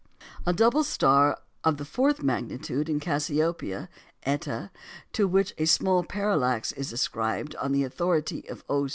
A double star of the fourth magnitude in Cassiopeia (Eta), to which a small parallax is ascribed on the authority of O.